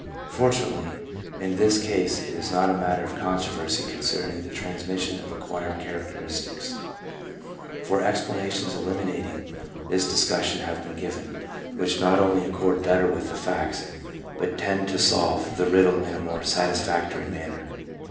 Fortunately, in this case it is not a matter of controversy concerning the trans mission of acquired characteristics, for explanations eliminating this discussion have been given, which not only accord better with the facts, but tend to solve the riddle in a more satisfactory manner.